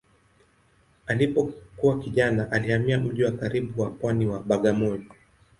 Alipokuwa kijana alihamia mji wa karibu wa pwani wa Bagamoyo.